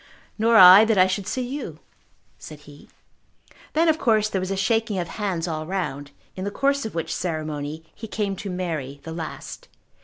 "Nor I, that I should see you," said he. Then of course there was a shaking of hands all round, in the course of which ceremony he came to Mary the last.